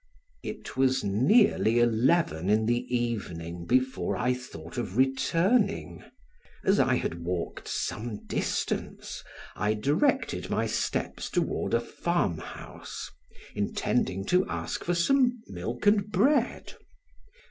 It was nearly eleven in the evening before I thought of returning; as I had walked some distance, I directed my steps toward a farmhouse, intending to ask for some milk and bread.